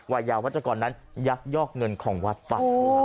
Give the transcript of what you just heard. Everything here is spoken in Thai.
วัยยาวัชกรนั้นยักยอกเงินของวัดไป